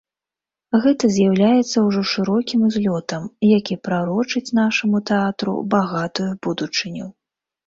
Гэта з'яўляецца ўжо шырокім узлётам, які прарочыць нашаму тэатру багатую будучыню.